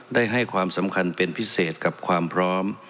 ได้ให้ความสำคัญเป็นพิเศษกับความพร้อม